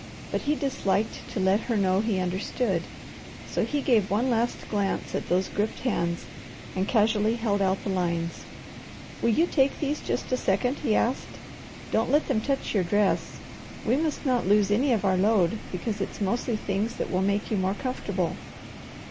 But he disliked to let her know he understood, so he gave one last glance at those gripped hands and casually held out the lines. "Will you take these just a second?" he asked. "Don't let them touch your dress. We must not lose of our load, because it's mostly things that will make you more comfortable."